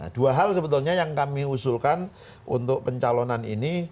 dua hal sebetulnya yang kami usulkan untuk pencalonan ini